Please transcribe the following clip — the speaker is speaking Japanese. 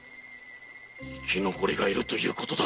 生き残りがいるということだ。